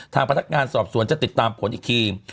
ทางพนักงานสอบสวนจะติดตามผลอีกที